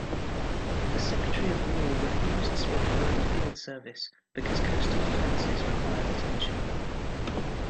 The Secretary of War refused Swift further field service because coastal defenses required attention.